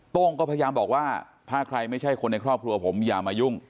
โต้งก็พยายามบอกว่าถ้าใครไม่ใช่คนในครอบครัวผมอย่ามายุ่ง